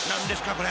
これ。